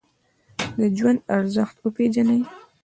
د ژوند ارزښت وپیژنئ